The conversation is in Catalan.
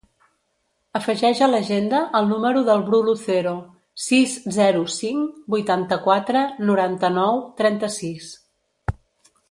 Afegeix a l'agenda el número del Bru Lucero: sis, zero, cinc, vuitanta-quatre, noranta-nou, trenta-sis.